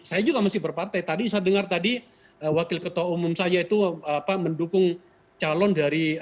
saya juga masih berpartai tadi saya dengar tadi wakil ketua umum saya itu mendukung calon dari